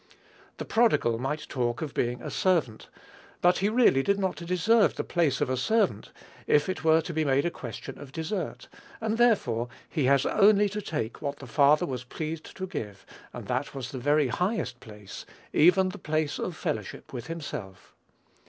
The prodigal might talk of being a servant, but he really did not deserve the place of a servant, if it were to be made a question of desert; and therefore he had only to take what the father was pleased to give, and that was the very highest place, even the place of fellowship with himself.